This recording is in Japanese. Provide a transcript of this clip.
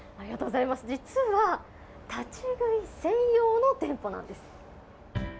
実は立ち食い専用の店舗なんです。